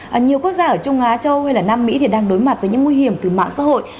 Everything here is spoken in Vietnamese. và nhiều quốc gia ở trung á châu hay là nam mỹ thì đang đối mặt với những nguy hiểm từ mạng xã hội